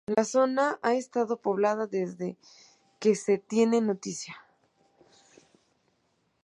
La zona ha estado poblada desde que se tiene noticia.